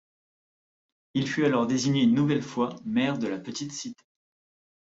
Il fut alors désigné une nouvelle fois maire de la petite cité.